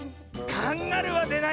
カンガルーはでないよ。